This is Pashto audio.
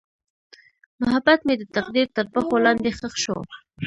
محبت مې د تقدیر تر پښو لاندې ښخ شو.